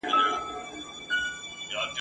کله دي مرګ وي اور د ګرمیو ..